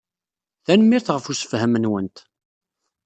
Tanemmirt ɣef ussefhem-nwent.